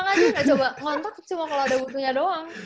ngontok cuma kalau ada butuhnya doang